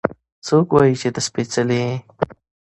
څوک وايي چې ته سپېڅلې يې؟